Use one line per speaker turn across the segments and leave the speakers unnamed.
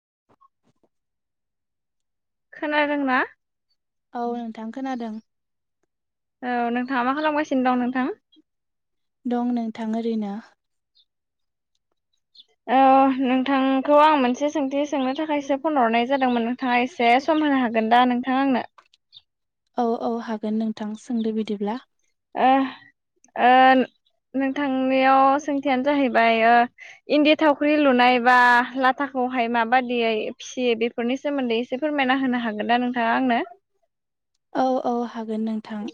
[inaudible]
खोनादोंना
औ नोंथां खोनादों
औ नोंथाङा मा खालामगासिनो दं नोंथाङा
दं नोंथां ओरैनो
नोंथांखौ आं मोनसे सोंथि सोंनो थाखायसो फन हरनाय जादोंमोन नोंथाङा एसे सम होनो हागोन दा नोंथां आंनो
औ औ हागोन नोंथां सोंदो बिदिब्ला
ओ ओ नोंथांनियाव सोंथियानो जाहैबाय इन्दि थावख्रि लुनाय बा लाथा खौहाय माबादियै फिसियो बेफोरनि सोमोन्दै एसे फोरमायना होनो हागोन ना नोंथाङा आंनो
औ औ हागोन नोंथां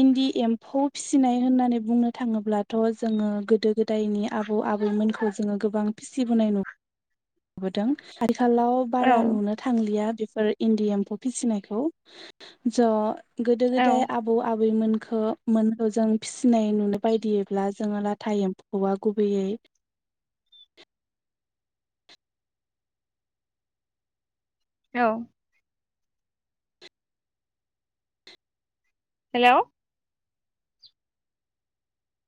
इन्दि एम्फौ फिसिनाय होननानै बुंनो थाङोब्लाथ' जोङो गोदो गोदायनि आबौ आबैमोनखौ जोङो गोबां फिसिबोनाय नङा नुबोदों आथिखालाव
औ
बारा नुनो थांलिया इन्दि एम्फौ फिसिनायखौ ज' गोदो गोदाय
औ
आबै आबौ मोनखौ मोनखौ जों फिसिनाय नुनो बायदिब्ला जोङो लाथा एम्फौआ गुबैयै
औ हेल'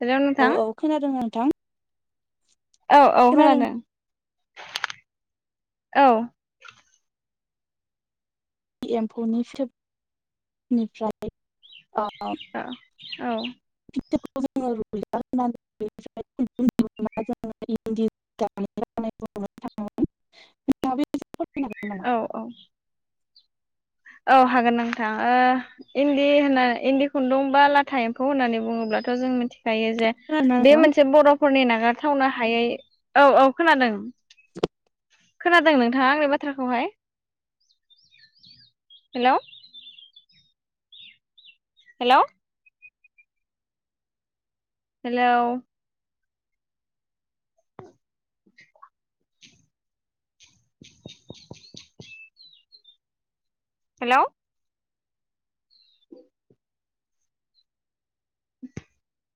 हेलौ
औ
नोंथां
औ खोनादों नोंथां
औ औ खोनादों औ
एमफौनि फिथोबनिफ्राय ओ
औ औ
[unintelligible] [unintelligible] हागोन नामा?
औ औ औ हागोन नोंथां इन्दि होनना इन्दि खुन्दुं बा लाथा एम्फौ होननानै बुङोब्ला दाथ' जों मिथि खायो जे
खोनादोंना
बे
नोंथां?
मोनसे बर'फोरनि नागारथावनो हायै औ औ खोनादों खोनादों नोंथाङा आंनि बाथ्राखौहाय हेल' हेल' हेल' [inaudible] [inaudible] हेल' [inaudible]